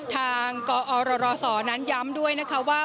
ทางก็รอรสอนั้นย้ำด้วยนะคะว่า